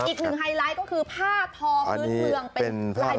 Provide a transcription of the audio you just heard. อีกหนึ่งไฮไลต์ก็คือผ้าพอพื้นเมือง